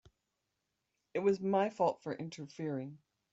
It was my fault for interfering.